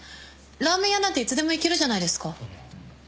ラーメン屋なんていつでも行けるじゃないですか。